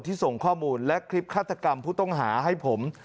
ส่งข้อมูลและคลิปฆาตกรรมผู้ต้องหาให้ผม